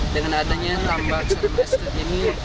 dengan adanya tambah stream estate ini